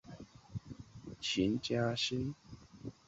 始建于清朝。